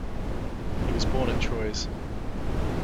He was born at Troyes.